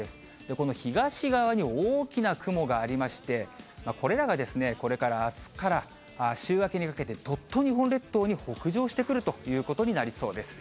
この東側に大きな雲がありまして、これらがこれからあすから週明けにかけて、どっと日本列島に北上してくるということになりそうです。